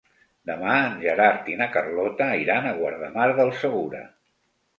Demà en Gerard i na Carlota iran a Guardamar del Segura.